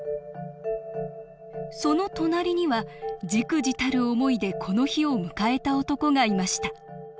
その隣にはじくじたる思いでこの日を迎えた男がいました。